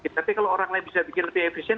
tapi kalau orang lain bisa bikin lebih efisien